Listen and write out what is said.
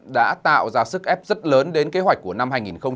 đã tạo ra sức ép rất lớn đến kế hoạch của năm hai nghìn một mươi chín